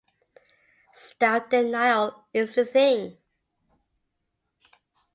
Stout denial is the thing.